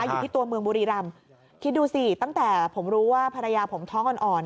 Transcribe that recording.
อยู่ที่ตัวเมืองบุรีรำคิดดูสิตั้งแต่ผมรู้ว่าภรรยาผมท้องอ่อน